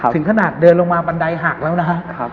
ถึงขนาดเดินลงมาบันไดหักแล้วนะฮะ